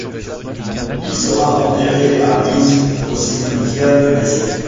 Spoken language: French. Il sera enterré à Minsk, au cimetière de l'Est.